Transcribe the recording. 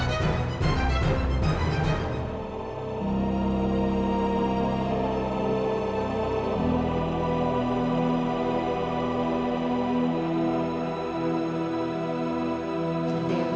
aku mau ke tempat kerja